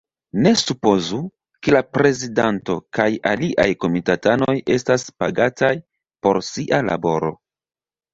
Ne supozu, ke la prezidanto kaj aliaj komitatanoj estas pagataj por sia laboro!